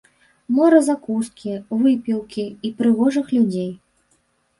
Мора закускі, выпіўкі і прыгожых людзей.